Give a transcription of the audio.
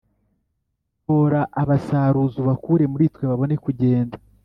tora abasaruzi, ubakure muri twe babone kugenda,